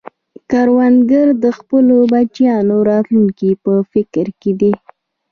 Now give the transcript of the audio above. کروندګر د خپلو بچیانو راتلونکې په فکر کې دی